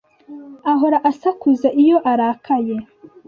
ahora asakuza iyo arakaye.